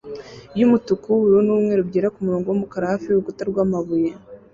yumutuku wubururu numweru byera kumurongo wumukara hafi yurukuta rwamabuye.